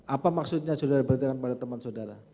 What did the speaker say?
apa maksudnya saudara berhenti dengan teman saudara